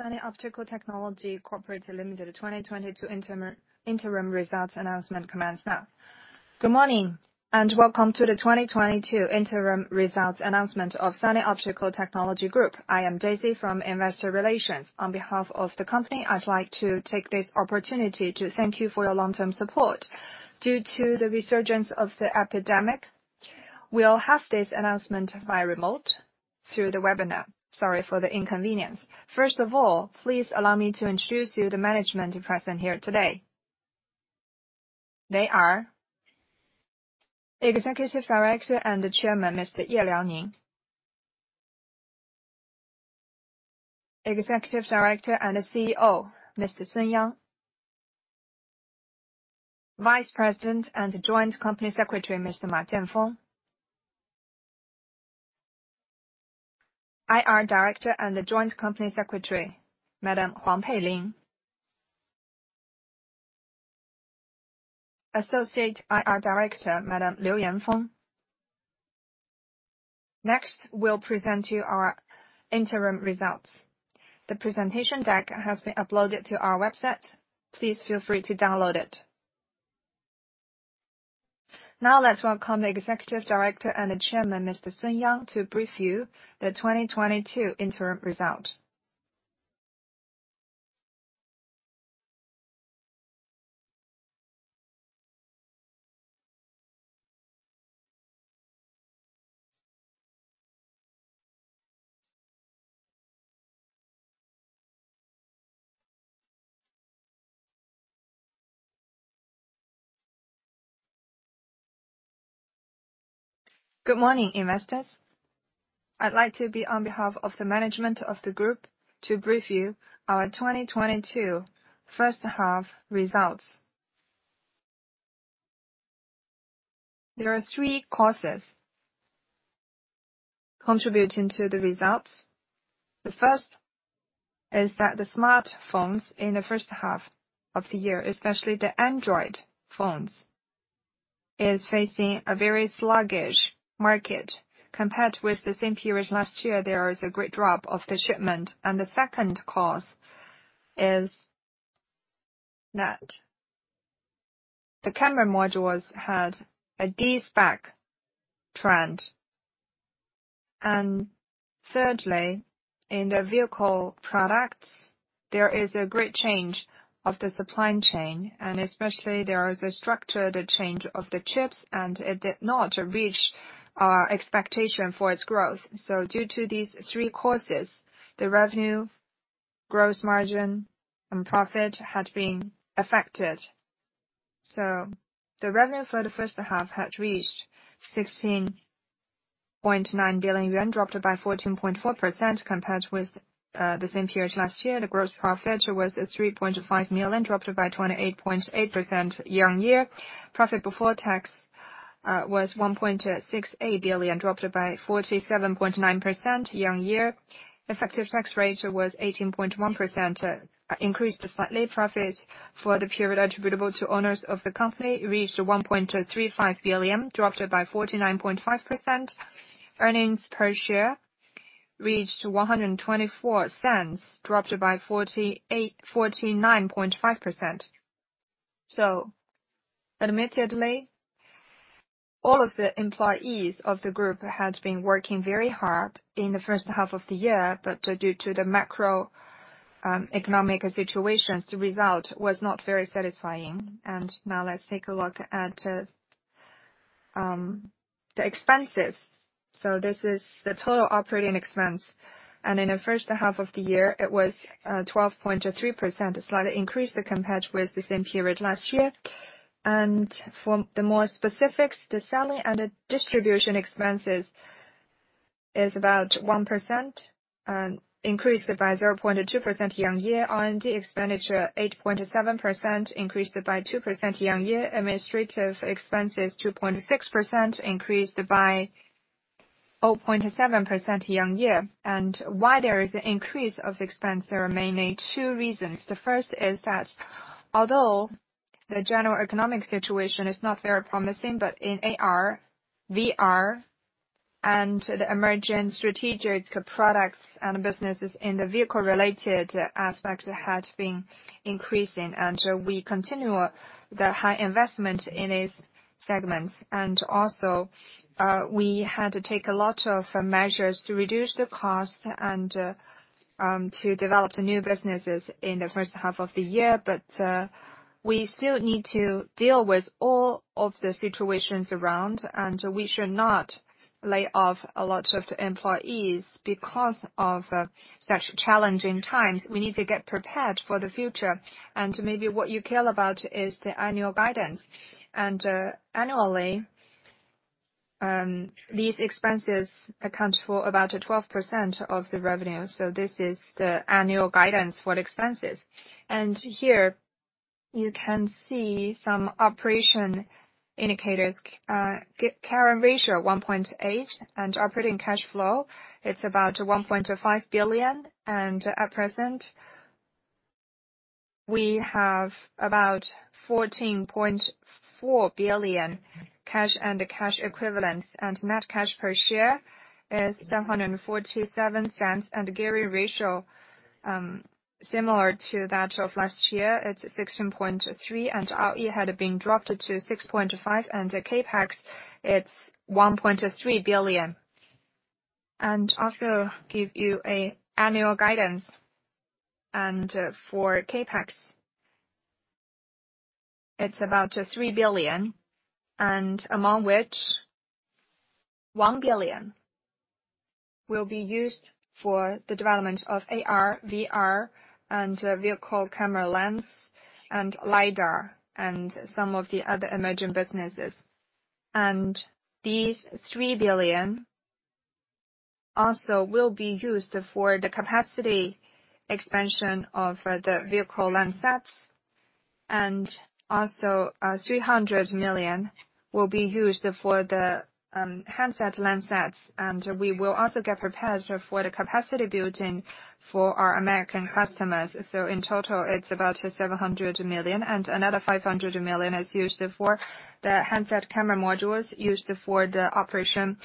Sunny Optical Technology (Group) Company Limited 2022 interim results announcement commence now. Good morning, and welcome to the 2022 interim results announcement of Sunny Optical Technology Group. I am Daisy from Investor Relations. On behalf of the company, I'd like to take this opportunity to thank you for your long-term support. Due to the resurgence of the epidemic, we'll have this announcement via remote through the webinar. Sorry for the inconvenience. First of all, please allow me to introduce you the management present here today. They are Executive Director and Chairman, Mr. Ye Liaoning. Executive Director and CEO, Mr. Sun Yang. Vice President and Joint Company Secretary, Mr. Ma Jianfeng. IR Director and the Joint Company Secretary, Madam Huang Peilin. Associate IR Director, Madam Liu Yanfeng. Next, we'll present to you our interim results. The presentation deck has been uploaded to our website. Please feel free to download it. Now, let's welcome the Executive Director and the Chairman, Mr. Sun Yang, to brief you the 2022 interim result. Good morning, investors. I'd like to be on behalf of the management of the group to brief you our 2022 first half results. There are three causes contributing to the results. The first is that the smartphones in the first half of the year, especially the Android phones, is facing a very sluggish market. Compared with the same period last year, there is a great drop of the shipment. The second cause is that the camera modules had a de-spec trend. Thirdly, in the vehicle products, there is a great change of the supply chain, and especially there is a structural change of the chips, and it did not reach our expectation for its growth. Due to these three causes, the revenue, gross margin, and profit had been affected. The revenue for the first half had reached 16.9 billion yuan, dropped by 14.4% compared with the same period last year. The gross profit was at 3.5 million, dropped by 28.8% year-on-year. Profit before tax was 1.68 billion, dropped by 47.9% year-on-year. Effective tax rate was 18.1%, increased slightly. Profit for the period attributable to owners of the company reached 1.35 billion, dropped by 49.5%. Earnings per share reached 1.24, dropped by 49.5%. Admittedly, all of the employees of the group had been working very hard in the first half of the year, but due to the macro economic situations, the result was not very satisfying. Now let's take a look at the expenses. This is the total operating expense, and in the first half of the year, it was 12.3%, slightly increased compared with the same period last year. For the more specifics, the selling and the distribution expenses is about 1%, and increased by 0.2% year-on-year. R&D expenditure, 8.7%, increased by 2% year-on-year. Administrative expenses, 2.6%, increased by 0.7% year-on-year. Why there is an increase of expense? There are mainly two reasons. The first is that although the general economic situation is not very promising, but in AR, VR, and the emerging strategic products and businesses in the vehicle-related aspect had been increasing. We continue the high investment in these segments. We had to take a lot of measures to reduce the cost and to develop the new businesses in the first half of the year. We still need to deal with all of the situations around, and we should not lay off a lot of employees because of such challenging times. We need to get prepared for the future. Maybe what you care about is the annual guidance. Annually, these expenses account for about 12% of the revenue. This is the annual guidance for the expenses. Here you can see some operation indicators, current ratio 1.8, and operating cash flow, it's about 1.5 billion. At present, we have about 14.4 billion cash and cash equivalents, and net cash per share is 7.47. Gearing ratio, similar to that of last year, it's 16.3. ROE had been dropped to 6.5%. CapEx, it's 1.3 billion. Also give you an annual guidance. For CapEx, it's about 3 billion, and among which 1 billion will be used for the development of AR, VR, and vehicle camera lens, and LiDAR, and some of the other emerging businesses. These 3 billion also will be used for the capacity expansion of the vehicle lens sets. 300 million will be used for the handset lens sets. We will also get prepared for the capacity building for our American customers. In total, it's about 700 million, and another 500 million is used for the handset camera modules used for the operation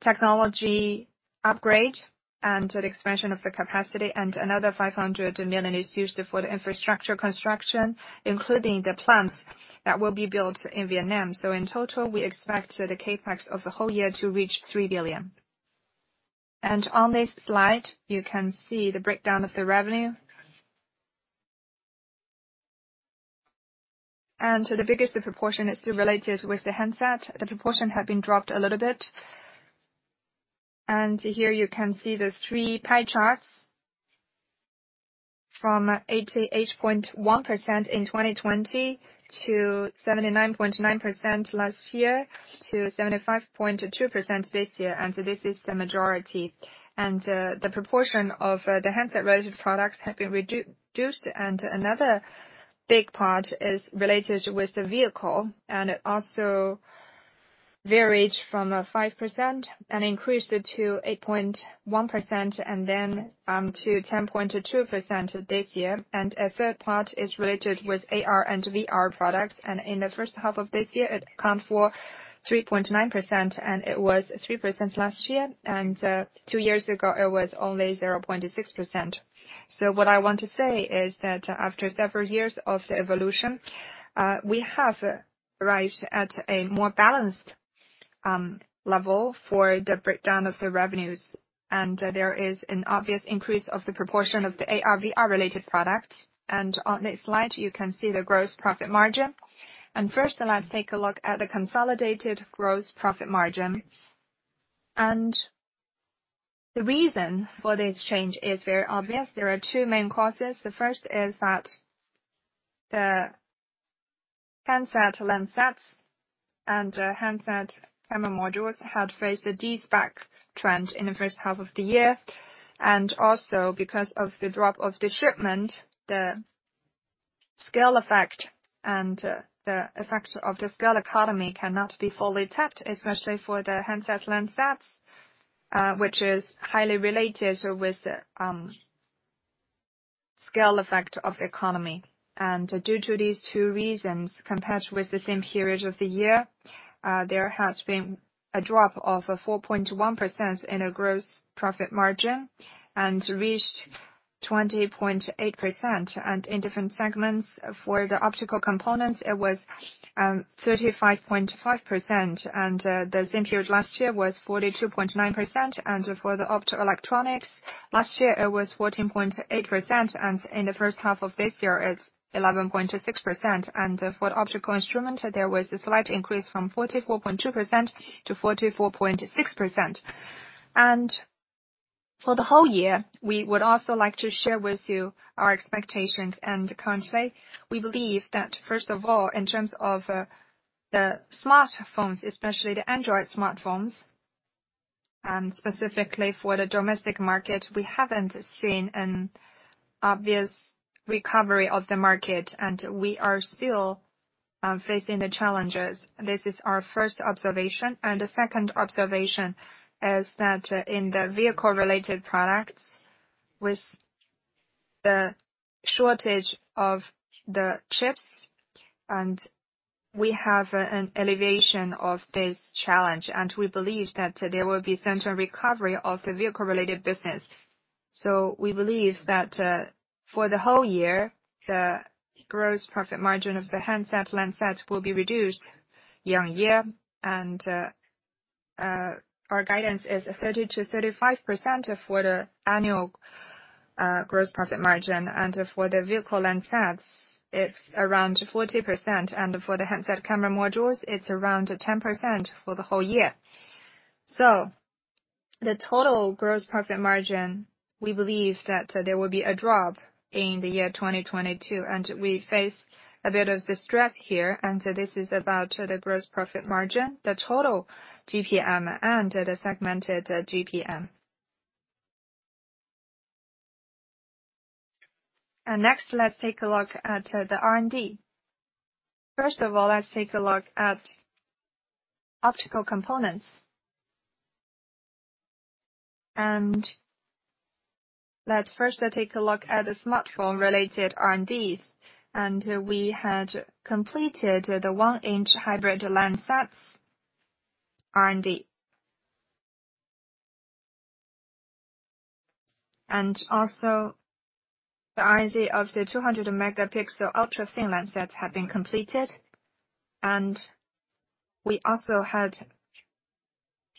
technology upgrade and the expansion of the capacity. Another 500 million is used for the infrastructure construction, including the plants that will be built in Vietnam. In total, we expect the CapEx of the whole year to reach 3 billion. On this slide, you can see the breakdown of the revenue. The biggest proportion is still related with the handset. The proportion have been dropped a little bit. Here you can see the three pie charts from 88.1% in 2020 to 79.9% last year to 75.2% this year. This is the majority. The proportion of the handset-related products have been reduced. Another big part is related with the vehicle, and it also varied from 5% and increased to 8.1%, and then to 10.2% this year. A third part is related with AR and VR products. In the first half of this year, it accounted for 3.9%, and it was 3% last year. Two years ago, it was only 0.6%. What I want to say is that after several years of the evolution, we have arrived at a more balanced level for the breakdown of the revenues. There is an obvious increase of the proportion of the AR/VR-related product. On this slide, you can see the gross profit margin. First, let's take a look at the consolidated gross profit margin. The reason for this change is very obvious. There are two main causes. The first is that the handset lens sets and handset camera modules had faced a de-spec trend in the first half of the year. Also because of the drop of the shipment, the scale effect and the effect of the scale economy cannot be fully tapped, especially for the handset lens sets, which is highly related with scale effect of the economy. Due to these two reasons, compared with the same period of the year, there has been a drop of 4.1% in the gross profit margin and reached 20.8%. In different segments, for the optical components, it was 35.5%, and the same period last year was 42.9%. For the optoelectronics, last year it was 14.8%, and in the first half of this year it's 11.6%. For the optical instrument, there was a slight increase from 44.2% to 44.6%. For the whole year, we would also like to share with you our expectations. Currently, we believe that first of all, in terms of the smartphones, especially the Android smartphones, and specifically for the domestic market, we haven't seen an obvious recovery of the market, and we are still facing the challenges. This is our first observation. The second observation is that in the vehicle-related products, with the shortage of the chips, and we have an alleviation of this challenge, and we believe that there will be certain recovery of the vehicle-related business. We believe that for the whole year, the gross profit margin of the handset lens sets will be reduced year-on-year. Our guidance is 30%-35% for the annual gross profit margin. For the vehicle lens sets, it's around 40%. For the handset camera modules, it's around 10% for the whole year. The total gross profit margin, we believe that there will be a drop in the year 2022, and we face a bit of distress here. This is about the gross profit margin, the total GPM and the segmented GPM. Next, let's take a look at the R&D. First of all, let's take a look at optical components. Let's first take a look at the smartphone related R&Ds. We had completed the 1-inch hybrid lens sets R&D. Also the R&D of the 200-megapixel ultra thin lens sets have been completed. We also had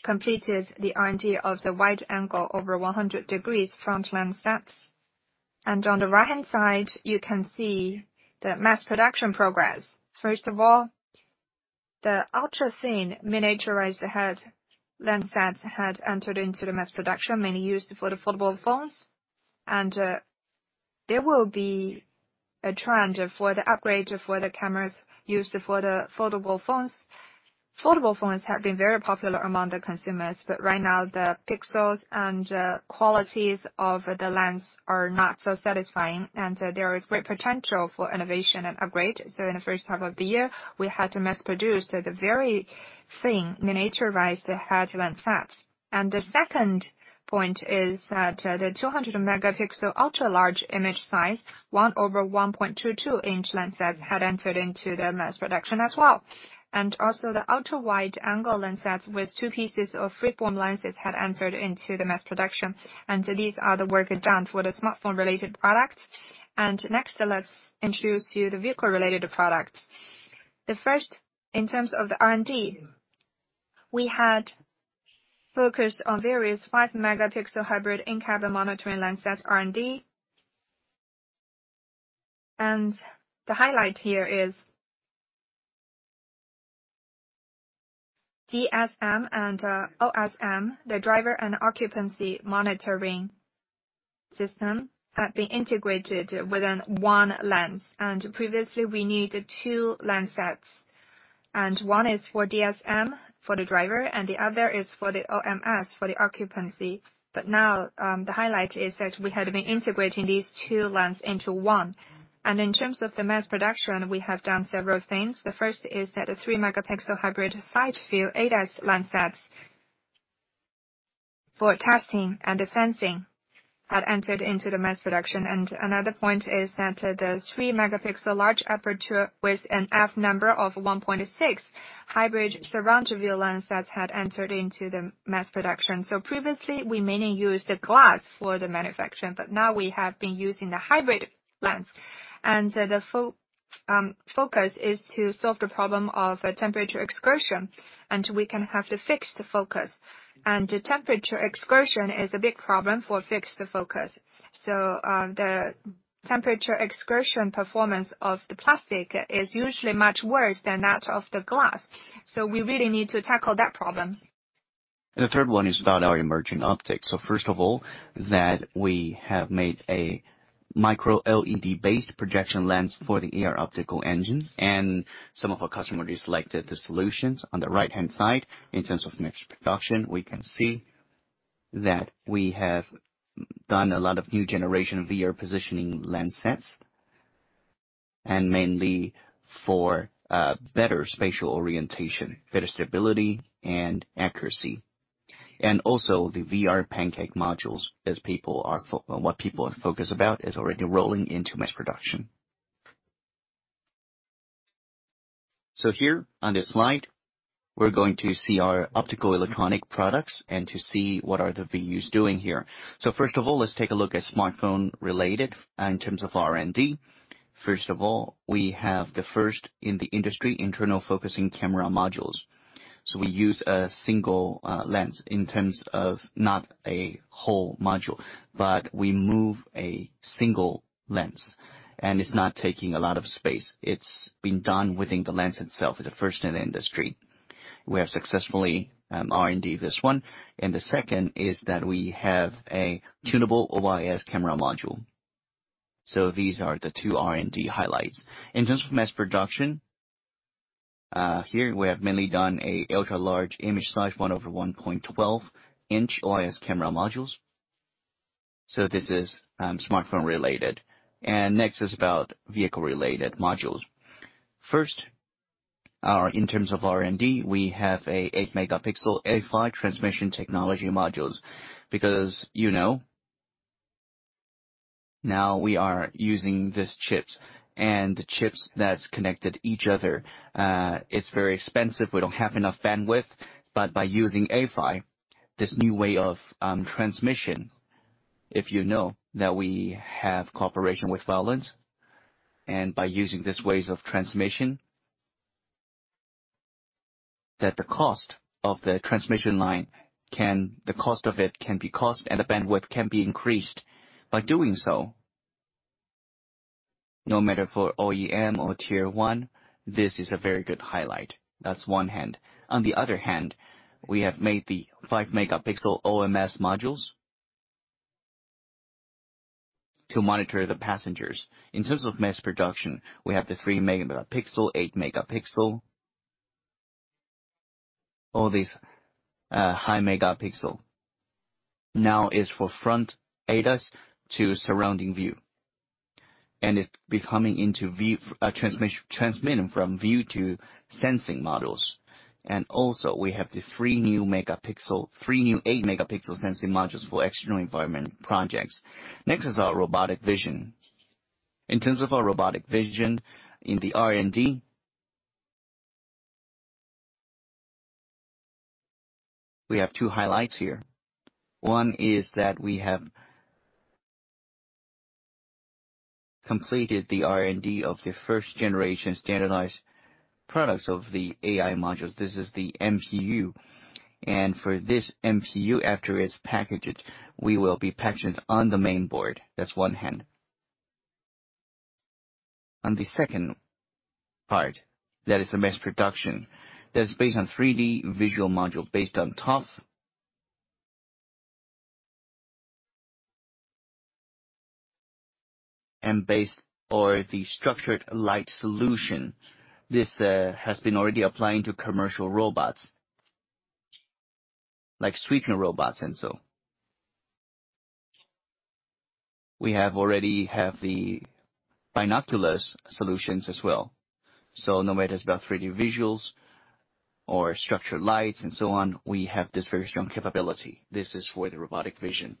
completed the R&D of the wide angle over 100 degrees front lens sets. On the right-hand side, you can see the mass production progress. First of all, the ultra thin miniaturized handset lens sets had entered into the mass production, mainly used for the foldable phones. There will be a trend for the upgrade for the cameras used for the foldable phones. Foldable phones have been very popular among the consumers, but right now the pixels and qualities of the lens are not so satisfying, and there is great potential for innovation and upgrade. In the first half of the year, we had to mass produce the very thin miniaturized handset lens sets. The second point is that the 200-megapixel ultra-large image size, 1/1.22-inch lens sets had entered into the mass production as well. Also the ultrawide-angle lens sets with two pieces of free-form lenses had entered into the mass production. These are the work done for the smartphone-related products. Next, let's introduce to you the vehicle-related product. The first, in terms of the R&D, we had focused on various 5-megapixel hybrid in-cabin monitoring lens sets R&D. The highlight here is DSM and OMS, the driver and occupancy monitoring system, have been integrated within one lens. Previously, we needed two lens sets, and one is for DSM, for the driver, and the other is for the OMS, for the occupancy. Now, the highlight is that we had been integrating these two lens into one. In terms of the mass production, we have done several things. The first is that a 3-megapixel hybrid side view ADAS lens sets for testing and sensing had entered into the mass production. Another point is that the 3-megapixel large aperture with an f-number of 1.6 hybrid surround view lens sets had entered into the mass production. Previously, we mainly used the glass for the manufacturing, but now we have been using the hybrid lens. The focus is to solve the problem of temperature excursion, and we can have to fix the focus. The temperature excursion is a big problem for fixed focus. The temperature excursion performance of the plastic is usually much worse than that of the glass. We really need to tackle that problem. The third one is about our emerging optics. First of all, that we have made a MicroLED-based projection lens for the AR optical engine, and some of our customers selected the solutions. On the right-hand side, in terms of mixed production, we can see that we have done a lot of new generation VR positioning lens sets, and mainly for better spatial orientation, better stability and accuracy. Also the VR Pancake modules, what people are focused about, is already rolling into mass production. Here on this slide, we're going to see our optical electronic products and to see what are the VUs doing here. First of all, let's take a look at smartphone-related in terms of R&D. First of all, we have the first in the industry, internal-focusing camera modules. We use a single lens in terms of not a whole module, but we move a single lens, and it's not taking a lot of space. It's been done within the lens itself, the first in the industry. We have successfully R&D this one, and the second is that we have a tunable OIS camera module. These are the two R&D highlights. In terms of mass production, here we have mainly done an ultra-large image size, 1/1.12-inch OIS camera modules. This is smartphone related. Next is about vehicle-related modules. First, in terms of R&D, we have an 8-megapixel A-PHY transmission technology modules. Because, you know, now we are using these chips and the chips that's connected to each other, it's very expensive. We don't have enough bandwidth. By using A-PHY, this new way of transmission, you know that we have cooperation with Valeo. By using these ways of transmission, the cost of the transmission line can be cut and the bandwidth can be increased. By doing so, no matter for OEM or Tier 1, this is a very good highlight. On one hand. On the other hand, we have made the 5-megapixel OMS modules to monitor the passengers. In terms of mass production, we have the 3-megapixel, 8-megapixel. All these high-megapixel now is for front ADAS to surrounding view. It's transitioning from view to sensing models. Also, we have the three new 8-megapixel sensing modules for external environment projects. Next is our robotic vision. In terms of our robotic vision in the R&D, we have two highlights here. One is that we have completed the R&D of the first generation standardized products of the AI modules. This is the MPU. For this MPU, after it's packaged, we will be patching on the main board. That's on the one hand. On the other hand, that is a mass production that is based on 3D visual module, based on ToF, and based on the structured light solution. This has been already applying to commercial robots, like street cleaner robots and so. We have the binocular solutions as well. No matter it's about 3D visuals or structured lights and so on, we have this very strong capability. This is for the robotic vision.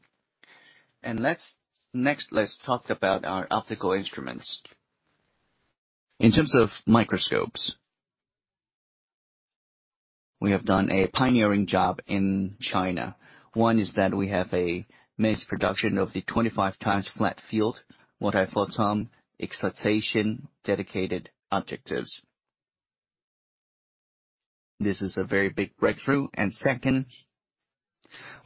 Next, let's talk about our optical instruments. In terms of microscopes, we have done a pioneering job in China. One is that we have a mass production of the 25x flat field, two-photon excitation dedicated objectives. This is a very big breakthrough. Second,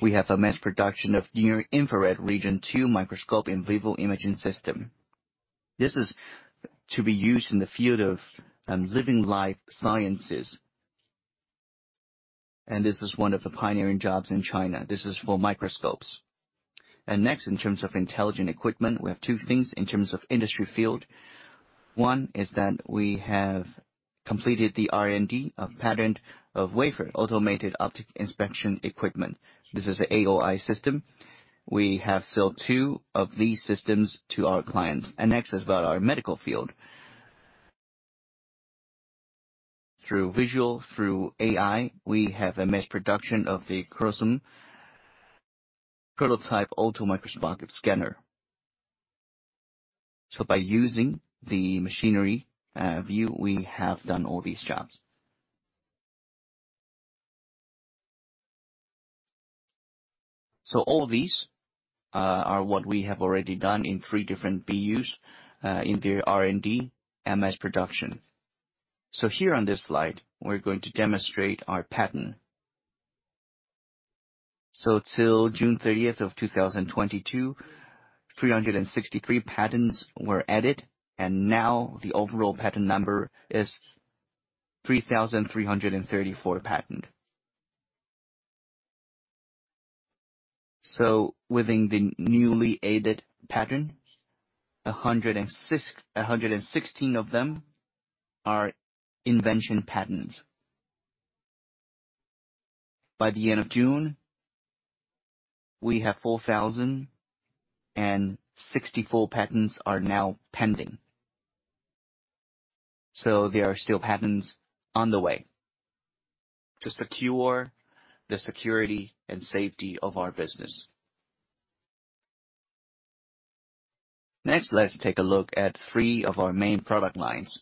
we have a mass production of near-infrared region two microscope in vivo imaging system. This is to be used in the field of life sciences. This is one of the pioneering jobs in China. This is for microscopes. Next, in terms of intelligent equipment, we have two things in terms of industry field. One is that we have completed the R&D and patent of wafer automated optic inspection equipment. This is an AOI system. We have sold two of these systems to our clients. Next is about our medical field. Through vision, through AI, we have a mass production of the cross-prototype automicroscopy scanner. By using machine vision, we have done all these jobs. All these are what we have already done in three different BUs, in the R&D and mass production. Here on this slide, we're going to demonstrate our patents. Till June thirtieth of 2022, 363 patents were added, and now the overall patent number is 3,334 patents. Within the newly added patents, 116 of them are invention patents. By the end of June, we have 4,064 patents now pending. There are still patents on the way to secure the security and safety of our business. Next, let's take a look at three of our main product lines.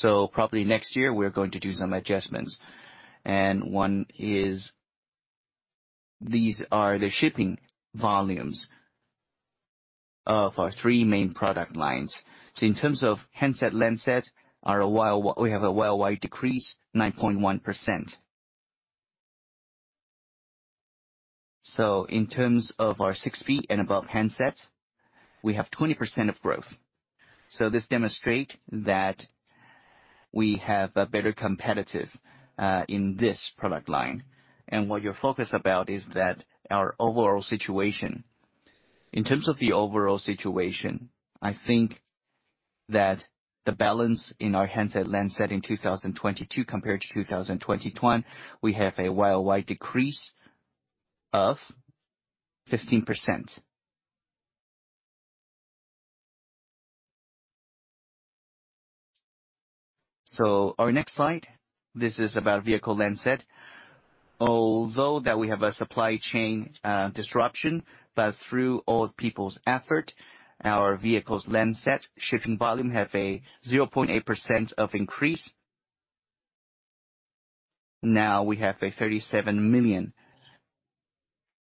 Probably next year, we're going to do some adjustments. One is these are the shipping volumes of our three main product lines. In terms of handset lens sets, we have a worldwide decrease, 9.1%. In terms of our 6P and above handsets, we have 20% of growth. This demonstrate that we have a better competitive in this product line. What you're focused about is that our overall situation. In terms of the overall situation, I think that the balance in our handset lens sets in 2022 compared to 2021, we have a worldwide decrease of 15%. Our next slide, this is about vehicle lens sets. Although that we have a supply chain disruption, but through all people's effort, our vehicle lens sets shipping volume have a 0.8% of increase. Now we have a 37 million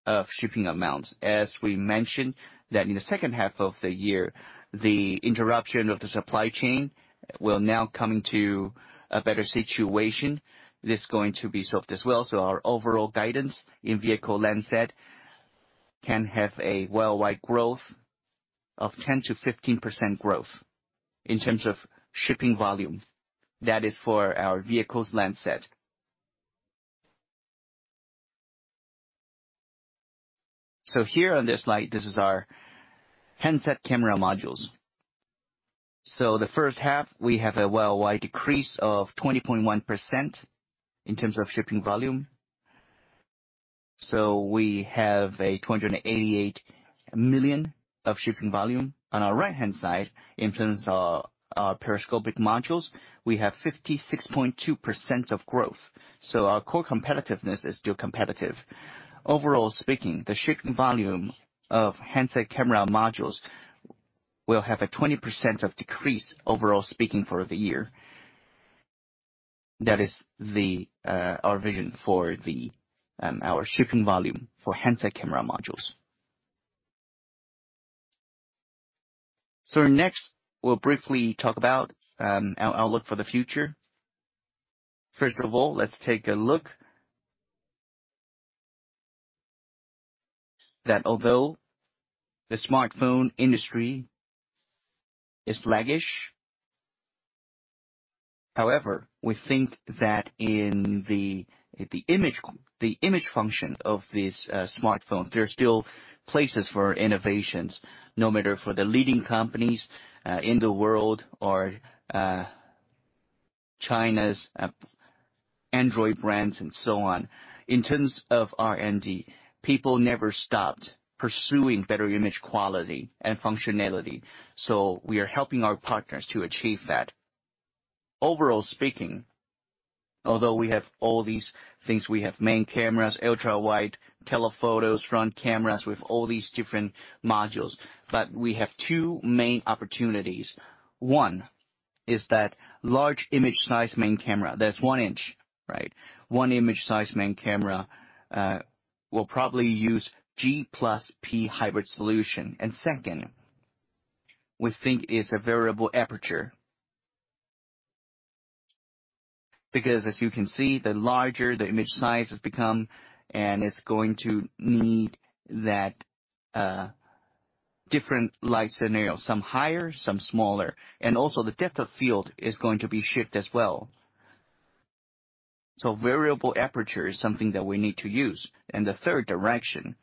of shipping amounts. As we mentioned that in the second half of the year, the interruption of the supply chain will now come into a better situation. This is going to be soft as well. Our overall guidance in vehicle lens sets can have a worldwide growth of 10%-15% growth in terms of shipping volume. That is for our vehicle lens sets. Here on this slide, this is our handset camera modules. The first half, we have a worldwide decrease of 20.1% in terms of shipping volume. We have 288 million of shipping volume. On our right-hand side, in terms of our periscopic modules, we have 56.2% of growth. Our core competitiveness is still competitive. Overall speaking, the shipping volume of handset camera modules will have a 20% decrease, overall speaking, for the year. That is our vision for our shipping volume for handset camera modules. Next, we'll briefly talk about our outlook for the future. First of all, let's take a look that although the smartphone industry is sluggish, however, we think that in the image function of these smartphones, there are still places for innovations, no matter for the leading companies in the world or China's Android brands and so on. In terms of R&D, people never stopped pursuing better image quality and functionality. We are helping our partners to achieve that. Overall speaking, although we have all these things, we have main cameras, ultra wide, telephotos, front cameras with all these different modules. We have two main opportunities. One is that large image size main camera, that's one inch, right? One image size main camera will probably use G+P hybrid solution. Second, we think it's a variable aperture. Because as you can see, the larger the image size has become, and it's going to need that different light scenarios, some higher, some smaller, and also the depth of field is going to be shift as well. Variable aperture is something that we need to use. The third direction,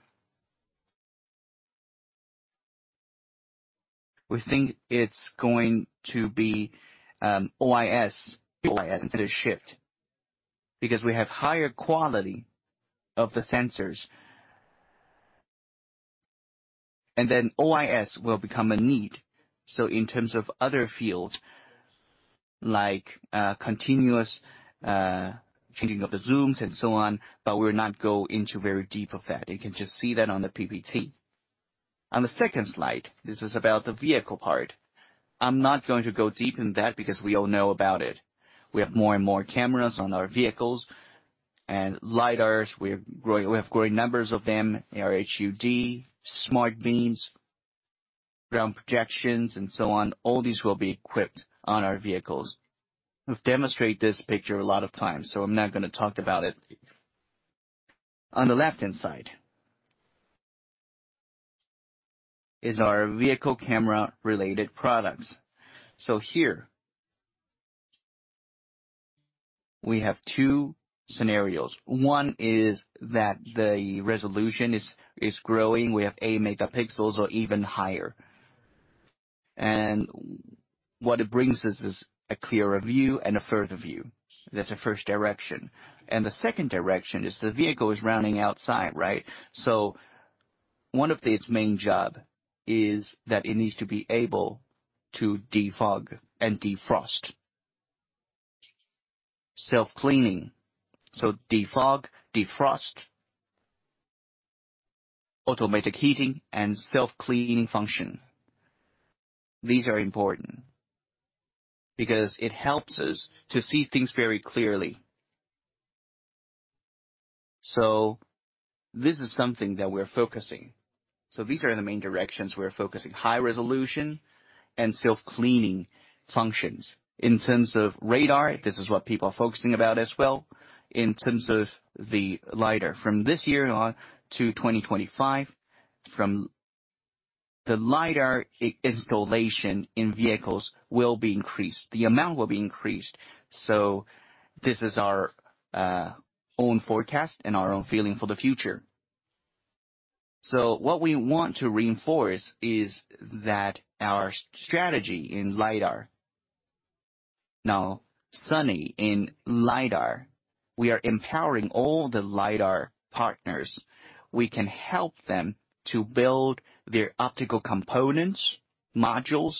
we think it's going to be OIS. OIS is going to shift because we have higher quality of the sensors. OIS will become a need. In terms of other fields like continuous changing of the zooms and so on, but we'll not go into very deep of that. You can just see that on the PPT. On the second slide, this is about the vehicle part. I'm not going to go deep in that because we all know about it. We have more and more cameras on our vehicles and LiDARs. We have growing numbers of them, AR HUD, smart beams, ground projections, and so on. All these will be equipped on our vehicles. We've demonstrated this picture a lot of times, so I'm not gonna talk about it. On the left-hand side is our vehicle camera related products. Here we have two scenarios. One is that the resolution is growing. We have 8 megapixels or even higher. What it brings us is a clearer view and a further view. That's the first direction. The second direction is the vehicle is running outside, right? One of its main job is that it needs to be able to defog and defrost. Self-cleaning. Defog, defrost, automatic heating and self-cleaning function. These are important because it helps us to see things very clearly. This is something that we're focusing. These are the main directions we're focusing, high resolution and self-cleaning functions. In terms of radar, this is what people are focusing about as well. In terms of the LiDAR, from this year on to 2025, from the LiDAR installation in vehicles will be increased, the amount will be increased. This is our own forecast and our own feeling for the future. What we want to reinforce is that our strategy in LiDAR. Now, Sunny in LiDAR, we are empowering all the LiDAR partners. We can help them to build their optical components, modules.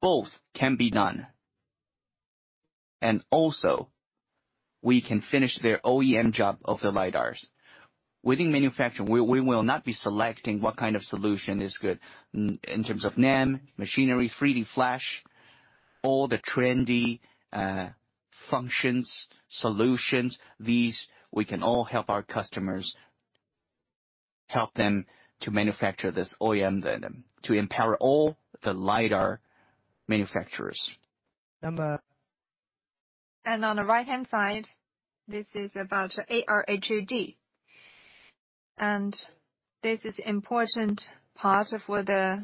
Both can be done. Also we can finish their OEM job of the LiDARs. Within manufacturing, we will not be selecting what kind of solution is good in terms of NAND, machinery, 3D flash, all the trendy functions, solutions. These, we can all help our customers, help them to manufacture this OEM vendor, to empower all the LiDAR manufacturers. On the right-hand side, this is about AR HUD. This is important part for the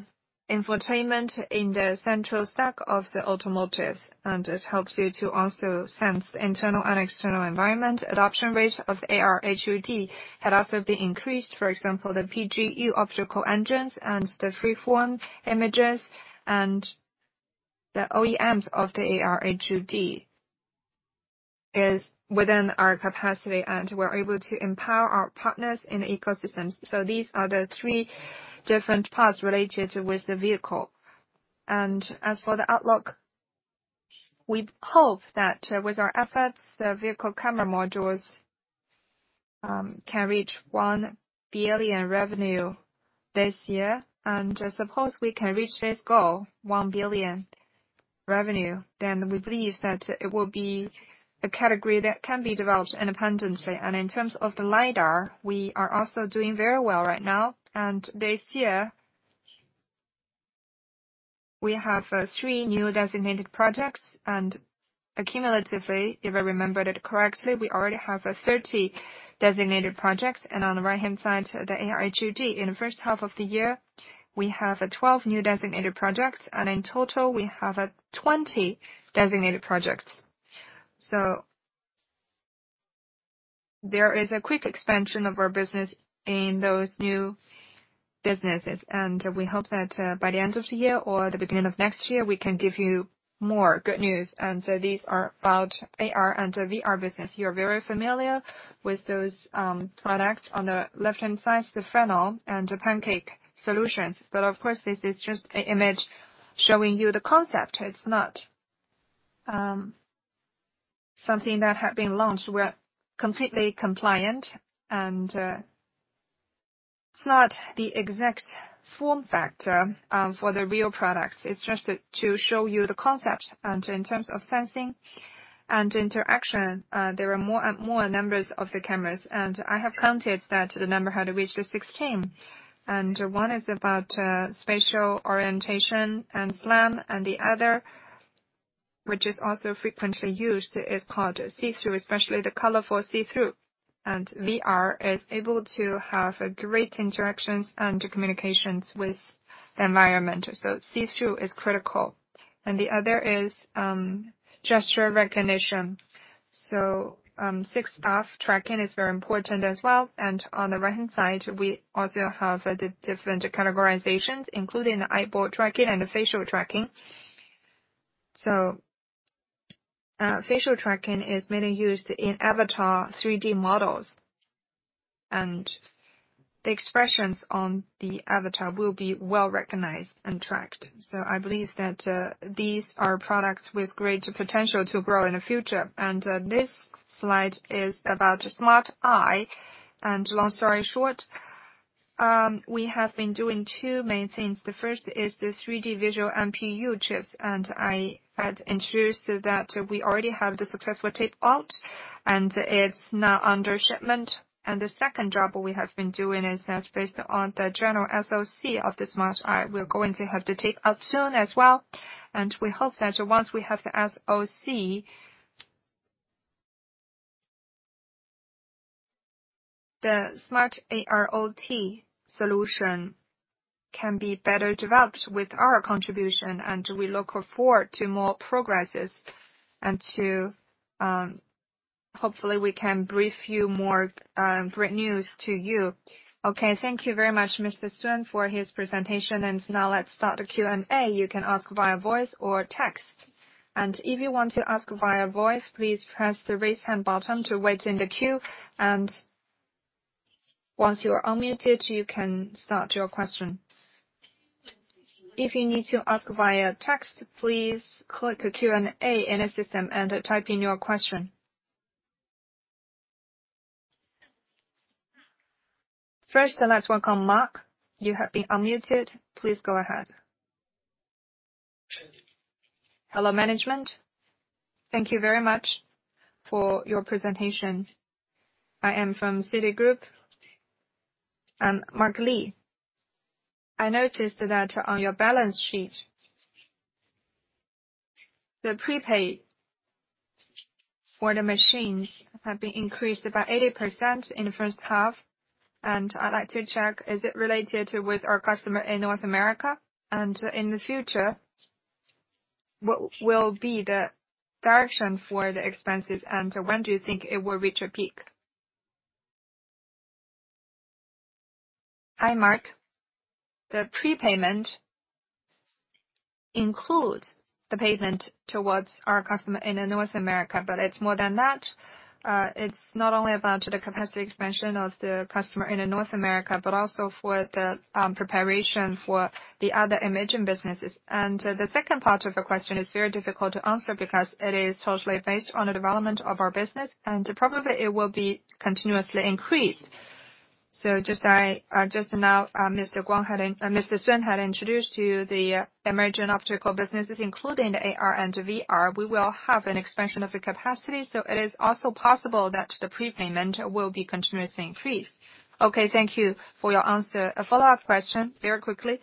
infotainment in the central stack of the automotives. It helps you to also sense internal and external environment. Adoption rate of AR HUD had also been increased. For example, the PGU optical engines and the free form images and the OEMs of the AR HUD is within our capacity, and we're able to empower our partners in ecosystems. These are the three different parts related with the vehicle. As for the outlook, we hope that, with our efforts, the vehicle camera modules can reach 1 billion revenue this year. Suppose we can reach this goal, 1 billion revenue, then we believe that it will be a category that can be developed independently. In terms of the LiDAR, we are also doing very well right now. This year, we have three new designated projects. Accumulatively, if I remember it correctly, we already have 30 designated projects. On the right-hand side, the AR HUD. In the first half of the year, we have 12 new designated projects, and in total, we have 20 designated projects. There is a quick expansion of our business in those new businesses. We hope that, by the end of the year or the beginning of next year, we can give you more good news. These are about AR and VR business. You're very familiar with those products. On the left-hand side is the Fresnel and the pancake solutions. Of course, this is just an image showing you the concept. It's not something that had been launched. We're completely compliant, and it's not the exact form factor for the real product. It's just to show you the concept. In terms of sensing and interaction, there are more and more numbers of the cameras. I have counted that the number had reached 16. One is about spatial orientation and SLAM, and the other, which is also frequently used, is called see-through, especially the colorful see-through. VR is able to have great interactions and communications with the environment. See-through is critical. The other is gesture recognition. 6DoF tracking is very important as well. On the right-hand side, we also have the different categorizations, including the eyeball tracking and the facial tracking. Facial tracking is mainly used in avatar 3D models, and the expressions on the avatar will be well-recognized and tracked. I believe that these are products with great potential to grow in the future. This slide is about SmartEye. Long story short, we have been doing two main things. The first is the 3D visual NPU chips, and I had introduced that we already have the successful tape out, and it's now under shipment. The second job we have been doing is that based on the general SoC of the SmartEye. We're going to have the tape out soon as well. We hope that once we have the SoC, the smart AIoT solution can be better developed with our contribution, and we look forward to more progress and hopefully we can brief you more great news to you. Okay, thank you very much, Mr. Sun, for this presentation. Now let's start the Q&A. You can ask via voice or text. If you want to ask via voice, please press the Raise Hand button to wait in the queue. Once you are unmuted, you can start your question. If you need to ask via text, please click Q&A in the system and type in your question. First, let's welcome Mark. You have been unmuted. Please go ahead. Hello, management. Thank you very much for your presentation. I am from Citigroup. I'm Mark Li. I noticed that on your balance sheet, the prepayments for the machines have been increased by 80% in the first half, and I'd like to check, is it related with our customer in North America? In the future, what will be the direction for the expenses, and when do you think it will reach a peak? Hi, Mark. The prepayment includes the payment towards our customer in North America, but it's more than that. It's not only about the capacity expansion of the customer in North America, but also for the preparation for the other emerging businesses. The second part of the question is very difficult to answer because it is totally based on the development of our business, and probably it will be continuously increased. Just now, Mr. Sun had introduced to you the emerging optical businesses, including the AR and VR. We will have an expansion of the capacity, so it is also possible that the prepayment will be continuously increased. Okay, thank you for your answer. A follow-up question very quickly.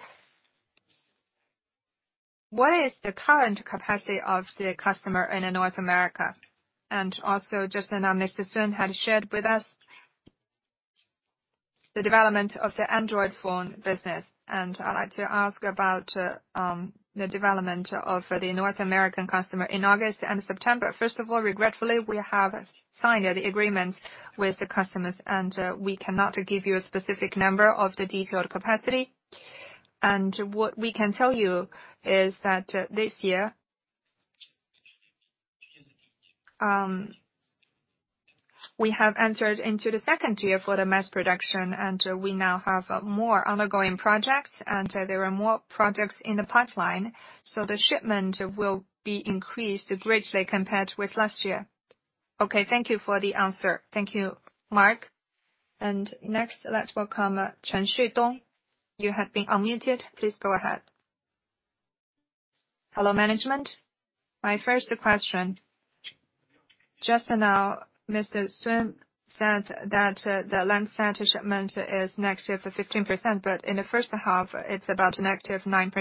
What is the current capacity of the customer in North America? And also, just now, Mr. Sun had shared with us the development of the Android phone business, and I'd like to ask about, the development of the North American customer in August and September. First of all, regretfully, we have signed the agreement with the customers, and, we cannot give you a specific number of the detailed capacity. What we can tell you is that, this year we have entered into the second year for the mass production, and we now have more ongoing projects, and there are more projects in the pipeline. The shipment will be increased greatly compared with last year. Okay, thank you for the answer. Thank you, Mark. Next, let's welcome Chen Xudong. You have been unmuted. Please go ahead. Hello, management. My first question. Just now, Mr. Sun said that, the lens set shipment is negative for 15%, but in the first half it's about negative 9%.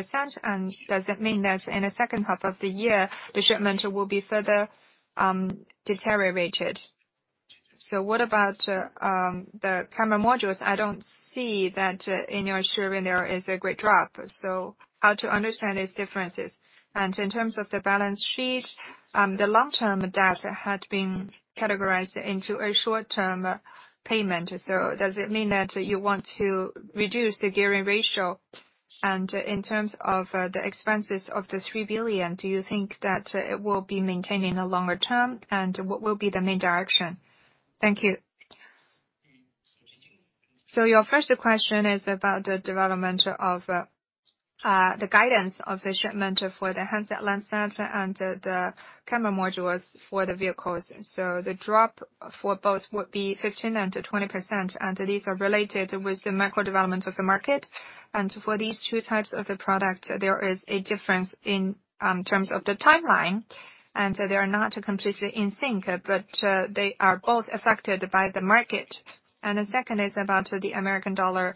Does it mean that in the second half of the year, the shipment will be further deteriorated? What about the camera modules? I don't see that in your sharing there is a great drop. How to understand these differences. In terms of the balance sheet, the long-term debt had been categorized into a short-term payment. Does it mean that you want to reduce the gearing ratio? In terms of the expenses of the 3 billion, do you think that it will be maintained in the longer term, and what will be the main direction? Thank you. Your first question is about the development of the guidance of the shipment for the handset lens set and the camera modules for the vehicles. The drop for both would be 15%-20%, and these are related with the macro development of the market. For these two types of the product, there is a difference in terms of the timeline, and they are not completely in sync, but they are both affected by the market. The second is about the American dollar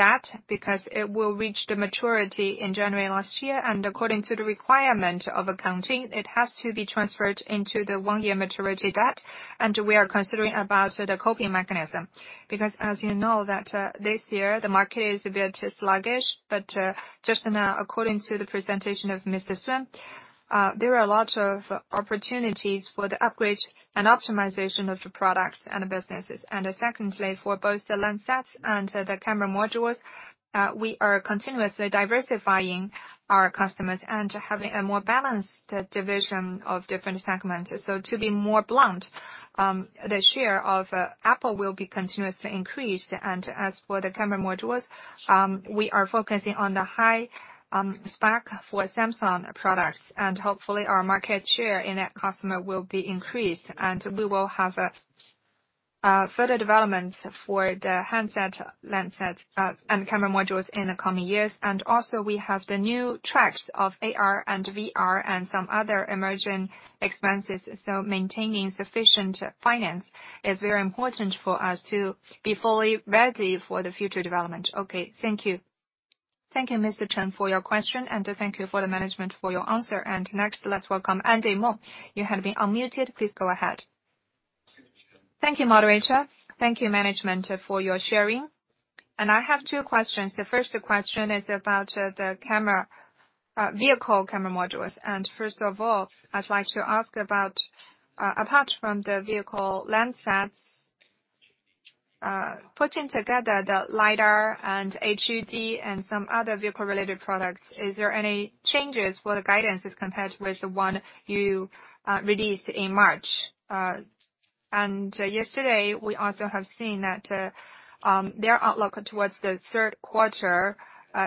debt, because it will reach the maturity in January last year. According to the requirement of accounting, it has to be transferred into the one-year maturity debt. We are considering about the coping mechanism, because as you know that, this year the market is a bit sluggish. Just now, according to the presentation of Mr. Sun, there are a lot of opportunities for the upgrade and optimization of the products and the businesses. Secondly, for both the lens sets and the camera modules, we are continuously diversifying our customers and having a more balanced division of different segments. To be more blunt, the share of Apple will be continuously increased. As for the camera modules, we are focusing on the high spec for Samsung products, and hopefully our market share in that customer will be increased, and we will have further development for the handset lens sets and camera modules in the coming years. We have the new tracks of AR and VR and some other emerging businesses. Maintaining sufficient finance is very important for us to be fully ready for the future development. Okay. Thank you. Thank you, Mr. Chen, for your question. Thank you for the management for your answer. Next let's welcome Andy Meng. You have been unmuted. Please go ahead. Thank you, moderator. Thank you management for your sharing. I have two questions. The first question is about the vehicle camera modules. First of all, I'd like to ask about, apart from the vehicle lens sets, putting together the LiDAR and HUD and some other vehicle related products, is there any changes for the guidance as compared with the one you released in March? Yesterday we also have seen that their outlook towards the third quarter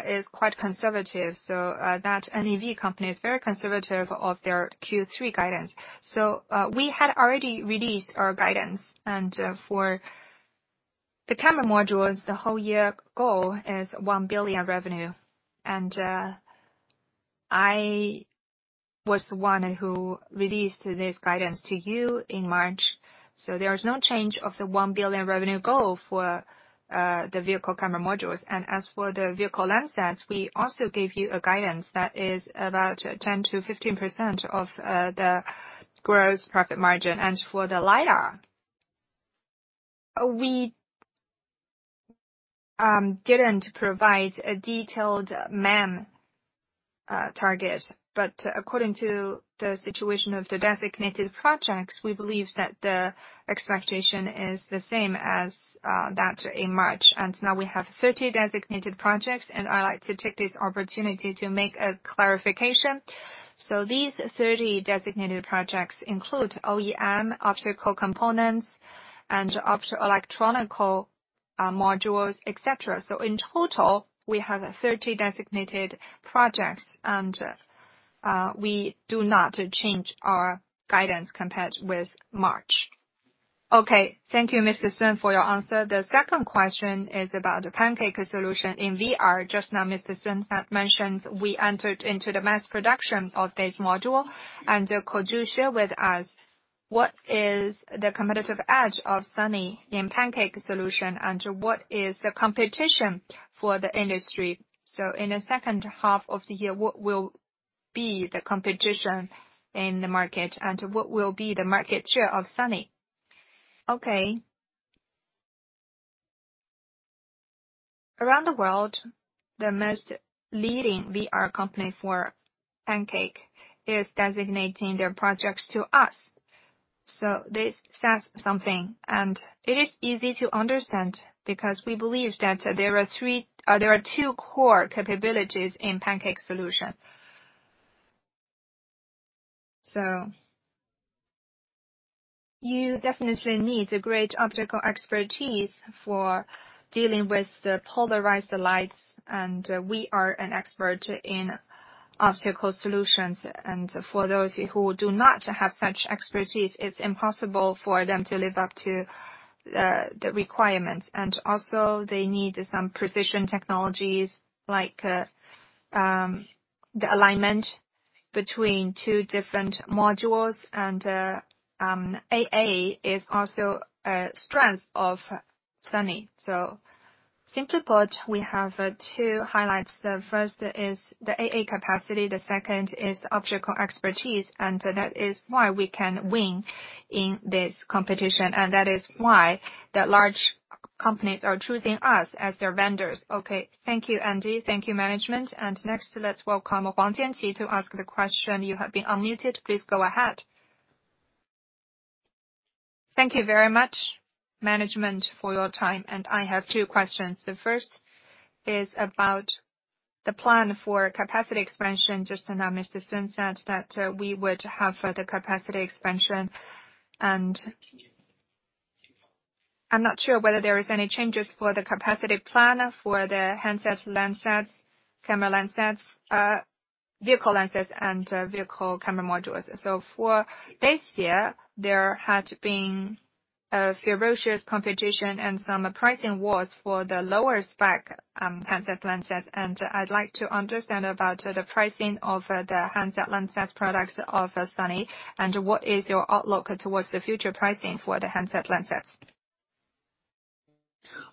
is quite conservative. That NEV company is very conservative of their Q3 guidance. We had already released our guidance and for the camera modules. The whole year goal is 1 billion revenue. I was the one who released this guidance to you in March. There is no change of the 1 billion revenue goal for the vehicle camera modules. As for the vehicle lens sets, we also gave you a guidance that is about 10%-15% of the gross profit margin. For the LiDAR, we didn't provide a detailed MAM target. According to the situation of the designated projects, we believe that the expectation is the same as that in March. Now we have 30 designated projects, and I'd like to take this opportunity to make a clarification. These 30 designated projects include OEM optical components and optoelectronic modules, etc. In total, we have 30 designated projects, and we do not change our guidance compared with March. Okay. Thank you, Mr. Sun, for your answer. The second question is about the pancake solution in VR. Just now, Mr. Sun had mentioned we entered into the mass production of this module. Could you share with us what is the competitive edge of Sunny in pancake solution, and what is the competition for the industry? In the second half of the year, what will be the competition in the market and what will be the market share of Sunny? Okay. Around the world, the most leading VR company for pancake is designating their projects to us. This says something, and it is easy to understand, because we believe that there are two core capabilities in pancake solution. You definitely need a great optical expertise for dealing with the polarized lights, and we are an expert in optical solutions. For those who do not have such expertise, it's impossible for them to live up to the requirements. They also need some precision technologies like the alignment between two different modules and AA is also a strength of Sunny. Simply put, we have two highlights. The first is the AA capacity, the second is the optical expertise, and that is why we can win in this competition, and that is why the large C-companies are choosing us as their vendors. Okay. Thank you, Andy. Thank you, management. Next, let's welcome Huang Tianqi to ask the question. You have been unmuted. Please go ahead. Thank you very much, management, for your time. I have two questions. The first is about the plan for capacity expansion. Just now, Mr. Sun said that we would have the capacity expansion. I'm not sure whether there is any changes for the capacity plan for the handsets, lens sets, camera lens sets, vehicle lenses and vehicle camera modules. For this year, there had been a ferocious competition and some pricing wars for the lower spec handset lens sets. I'd like to understand about the pricing of the handset lens sets products of Sunny, and what is your outlook towards the future pricing for the handset lens sets?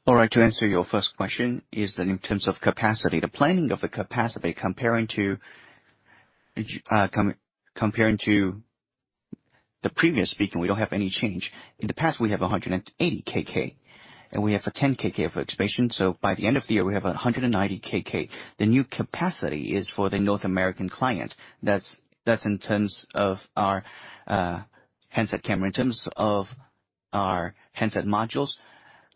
All right. To answer your first question is that in terms of capacity, the planning of the capacity comparing to the previous speaking, we don't have any change. In the past we have 180 KK, and we have a 10 KK of expansion, so by the end of the year we have 190 KK. The new capacity is for the North American client. That's in terms of our handset camera. In terms of our handset modules,